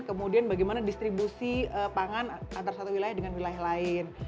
kemudian bagaimana distribusi pangan antara satu wilayah dengan wilayah lain